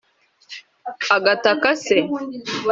agataka se